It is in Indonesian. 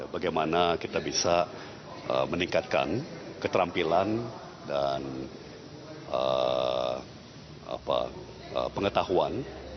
bagaimana kita bisa meningkatkan keterampilan dan pengetahuan